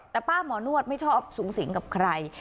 แต่ป้าหมอนวดไม่ชอบสูงสิงกับใคร